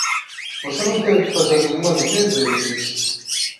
"Você não teve que fazer nenhuma limpeza?" ele disse.